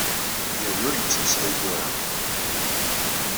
Yiwen ur yettmeslay tura.